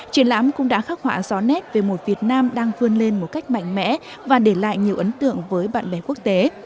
triển lãm cũng đã khắc họa rõ nét về một việt nam đang vươn lên một cách mạnh mẽ và để lại nhiều ấn tượng với bạn bè quốc tế